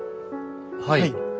はい。